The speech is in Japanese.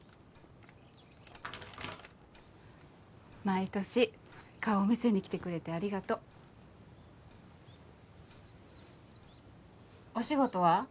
毎年顔を見せに来てくれてありがとうお仕事は？